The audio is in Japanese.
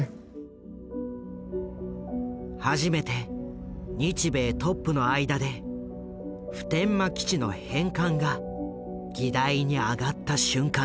初めて日米トップの間で普天間基地の返還が議題に上がった瞬間だった。